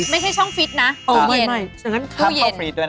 ไม่ใช่ช่องฟรีดนะตู้เย็น